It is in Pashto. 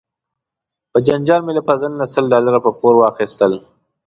په جنجال مې له فضل نه سل ډالره په پور واخیستل.